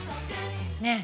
ねえ。